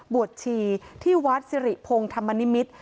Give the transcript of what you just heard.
ชีที่วัดสิริพงศ์ธรรมนิมิตร